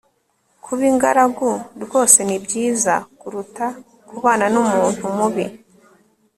kuba ingaragu rwose ni byiza kuruta kubana n'umuntu mubi